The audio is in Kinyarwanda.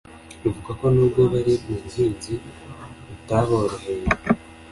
Bivugwa ko nubwo bari mu buhunzi butaboroheye